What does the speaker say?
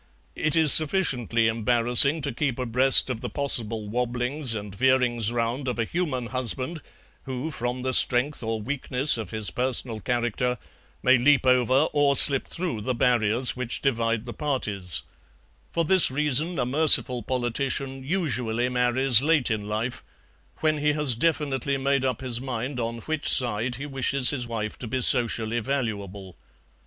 It is sufficiently embarrassing to keep abreast of the possible wobblings and veerings round of a human husband, who, from the strength or weakness of his personal character, may leap over or slip through the barriers which divide the parties; for this reason a merciful politician usually marries late in life, when he has definitely made up his mind on which side he wishes his wife to be socially valuable.